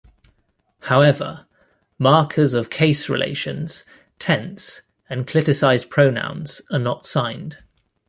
However, markers of case relations, tense, and cliticised pronouns are not signed.